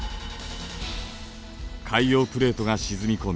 海洋プレートが沈み込み